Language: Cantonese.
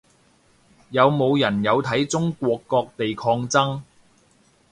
有冇人有睇中國各地抗爭